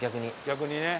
逆にね。